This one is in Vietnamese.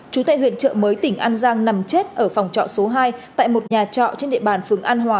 chú tại huyện trợ mới tỉnh an giang nằm chết ở phòng trọ số hai tại một nhà trọ trên địa bàn phường an hòa